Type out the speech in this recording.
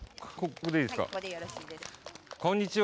こんにちは。